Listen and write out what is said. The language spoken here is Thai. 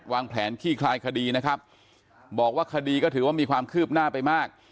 วางแผนขี้คลายคดีนะครับบอกว่าคดีก็ถือว่ามีความคืบหน้าไปมาก